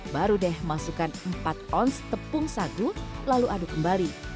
baru deh masukkan empat oz tepung sagu lalu aduk kembali